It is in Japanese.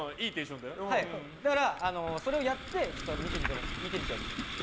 だから、それをやって見てみて。